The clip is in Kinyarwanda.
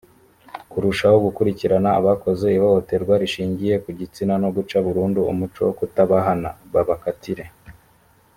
kurushaho gukurikirana abakoze ihohoterwa rishingiye ku gitsina no guca burundu umuco wo kutabahana babakatire